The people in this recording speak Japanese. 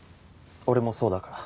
俺もそうだから。